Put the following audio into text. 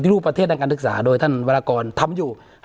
ปฏิหรูประเทศการรับต้อผลิตขออนุสาธิการดีกับท่านวรกรทำบริหาร